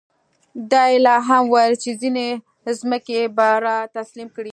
دا یې لا هم ویل چې ځینې ځمکې به را تسلیم کړي.